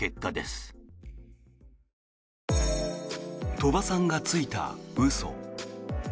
鳥羽さんがついた嘘。